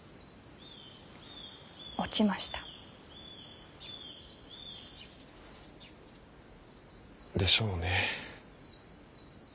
落ちました。でしょうね。